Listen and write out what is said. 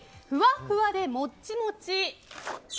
ふわっふわでもっちもち！